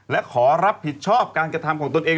และขอรับผิดชอบการกระทำของตนเอง